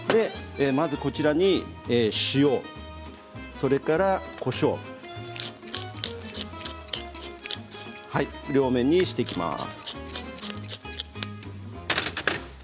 こちらに塩それから、こしょうを両面にしていきます。